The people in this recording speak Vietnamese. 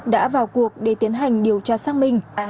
đã vào cuộc để tiến hành điều tra xác minh